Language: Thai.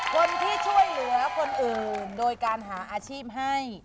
คนที่ช่วยเหลือคนอื่นโดยการหาอาชีพให้